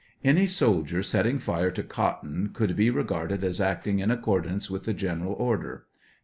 Any soldier . setting fire to cotton could be re garded as acting in accordance with the general order